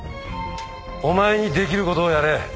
お前にできることをやれ。